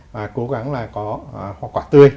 và cố gắng là có hoa quả tươi